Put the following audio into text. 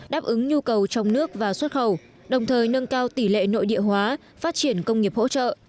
đáp ứng nhu cầu trong nước và xuất khẩu đồng thời nâng cao tỷ lệ nội địa hóa phát triển công nghiệp hỗ trợ